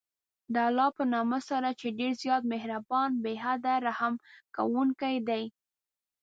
د الله په نامه سره چې ډېر زیات مهربان، بې حده رحم كوونكى دى.